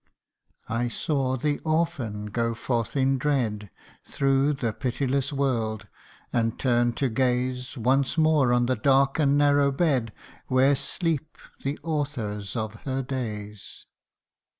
" I saw the orphan go forth in dread Through the pitiless world, and turn to gaze Once more on the dark and narrow bed Where sleep the authors of her days.